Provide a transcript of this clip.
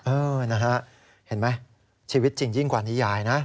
เออนะฮะเห็นไหมชีวิตจริงยิ่งกว่านิยายนะ